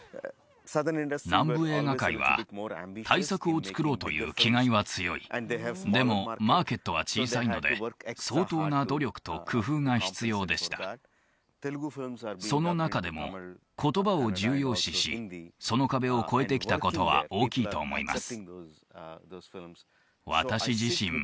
南部映画界は大作を作ろうという気概は強いでもマーケットは小さいので相当な努力と工夫が必要でしたその中でも言葉を重要視しその壁を越えてきたことは大きいと思います